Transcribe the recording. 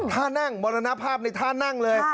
ท่านั่งมรณภาพในท่านั่งเลย